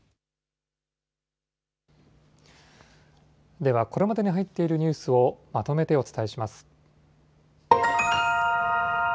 ではこれまでに入っているニュースをまとめてお伝えします。